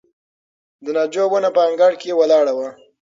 د ناجو ونه په انګړ کې ولاړه وه.